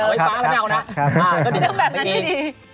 ก็ต้องมาแบบนั้นด้วยดี